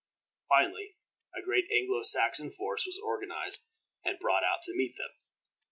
Finally, a great Anglo Saxon force was organized and brought out to meet them.